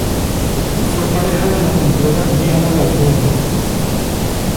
Fue pareja de la pintora Diana Balboa.